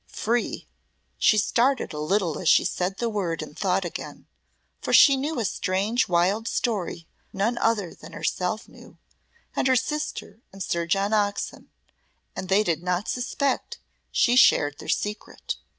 Free! She started a little as she said the word in thought again, for she knew a strange wild story none other than herself knew, and her sister, and Sir John Oxon, and they did not suspect she shared their secret.